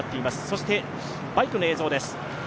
そしてバイクの映像です。